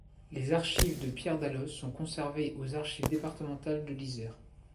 Les archives de Pierre Dalloz sont conservées aux Archives départementales de l'Isère.